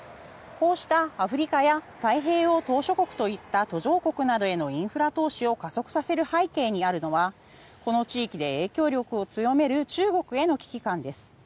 こうしたアフリカや太平洋島しょ国といった途上国などへのインフラ投資を加速させる背景にあるのはこの地域で影響力を強める中国への危機感です。